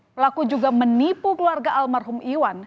pelaku juga menipu keluarga almarhum iwan